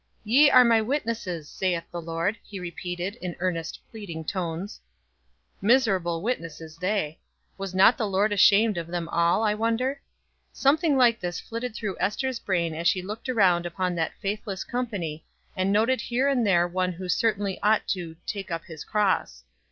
"Ye are my witnesses, saith the Lord," he repeated, in earnest, pleading tones. Miserable witnesses they! Was not the Lord ashamed of them all, I wonder? Something like this flitted through Ester's brain as she looked around upon that faithless company, and noted here and there one who certainly ought to "take up his cross."